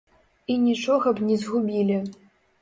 І нічога б не згубілі.